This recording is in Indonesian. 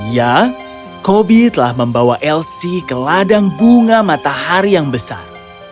ya kobi telah membawa elsi ke ladang bunga matahari yang besar